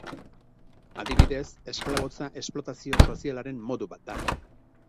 Adibidez, esklabotza esplotazio sozialaren modu bat da.